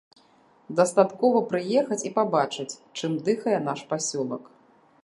Дастаткова прыехаць і пабачыць, чым дыхае наш пасёлак.